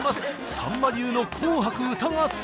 さんま流の「紅白歌合戦」。